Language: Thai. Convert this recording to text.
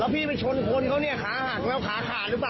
พี่ไปชนคนเขาเนี่ยขาหักแล้วขาขาดหรือเปล่า